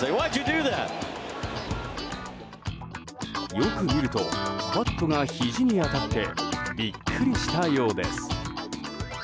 よく見るとバットがひじに当たってビックリしたようです。